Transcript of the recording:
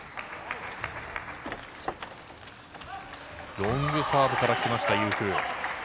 ロングサーブからきましたユー・フー。